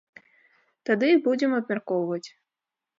Тады і будзем абмяркоўваць!